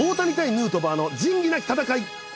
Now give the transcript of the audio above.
ヌートバーの仁義なき戦い！